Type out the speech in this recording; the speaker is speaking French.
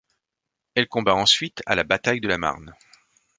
Elle combat ensuite à la bataille de la Marne.